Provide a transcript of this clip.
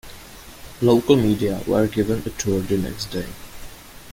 Local media were given a tour the next day.